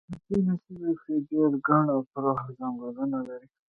په ځینو سیمو کې ډېر ګڼ او پراخ څنګلونه لري.